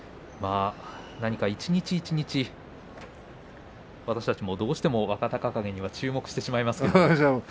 何か一日一日、私たちもどうしても若隆景には注目してしまいますけれど。